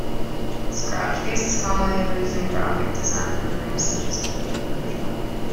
Scratch space is commonly used in graphic design programs, such as Adobe Photoshop.